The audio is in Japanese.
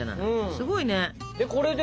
すごいね。